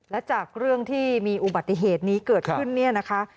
แล้วจากเรื่องที่มันเกิดขึ้นนะคะ